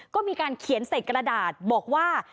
ก็มีการเขียนใส่กระดาษบอกว่า